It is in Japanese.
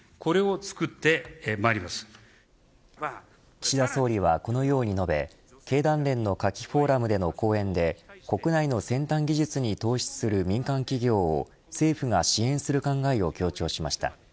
岸田総理は、このように述べ経団連の夏季フォーラムでの講演で国内の先端技術に投資する民間企業を政府が支援する考えを強調しました。